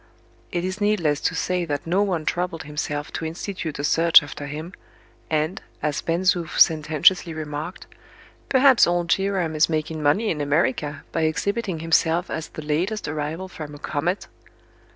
It is needless to say that no one troubled himself to institute a search after him, and, as Ben Zoof sententiously remarked, "Perhaps old Jehoram is making money in America by exhibiting himself as the latest arrival from a comet!"